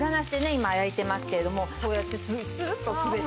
今焼いてますけれどもこうやってスーッスーッと滑って。